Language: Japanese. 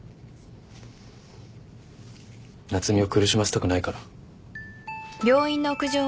夏海を苦しませたくないから。